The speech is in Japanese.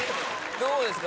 どうですか？